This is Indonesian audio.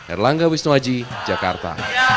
erlangga wisnuaji jakarta